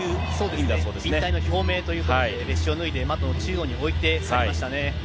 引退の表明ということで、シューズを脱いで、マットの中央に置いて、去りましたね。